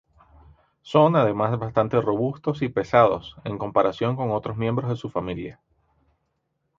Son además bastante robustos y pesados, en comparación con otros miembros de su familia.